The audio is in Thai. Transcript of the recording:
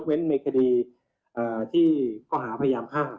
ยกเว้นเกณฑ์คดีที่เขาหาพยามฆ่า